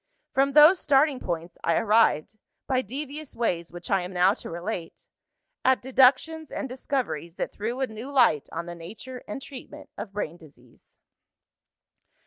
From those starting points, I arrived by devious ways which I am now to relate at deductions and discoveries that threw a new light on the nature and treatment of brain disease."